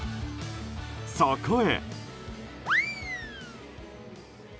そこへ。